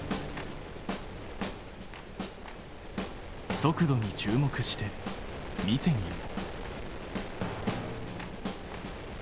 速度に注目して見てみよう。